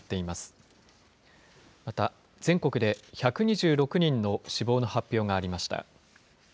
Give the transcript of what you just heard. また全国で１２６人の死亡の発表がありました。